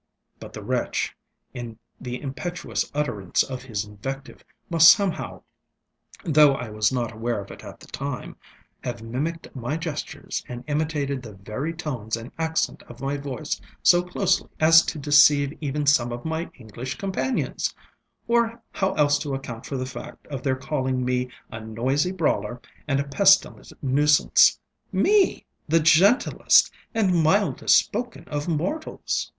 But the wretch, in the impetuous utterance of his invective, must somehowŌĆöthough I was not aware of it at the timeŌĆöhave mimicked my gestures and imitated the very tones and accent of my voice so closely as to deceive even some of my English companions: or how else to account for the fact of their calling me a noisy brawler and a pestilent nuisance? me, the gentlest and mildest spoken of mortals!